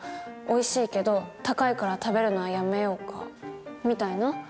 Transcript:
「おいしいけど高いから食べるのはやめようか」みたいな。